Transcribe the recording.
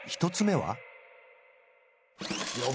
１つ目は？